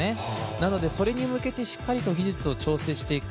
なので、それに向けてしっかりと技術を調整していく。